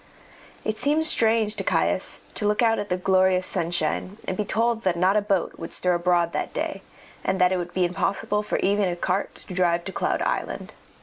It seemed strange to Caius to look out at the glorious sunshine and be told that not a boat would stir abroad that day, and that it would be impossible for even a cart to drive to the Cloud Island.